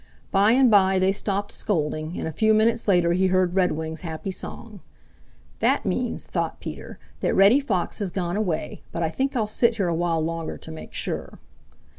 By and by they stopped scolding, and a few minutes later he heard Redwing's happy song. "That means," thought Peter, "that Reddy Fox has gone away, but I think I'll sit here a while longer to make sure."